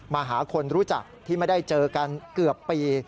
มาหาคนรู้จักที่ไม่ได้เจอกันเกือบปี